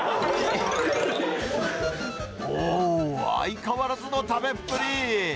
おお、相変わらずの食べっぷり。